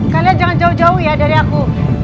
kalian jangan jauh jauh ya dari aku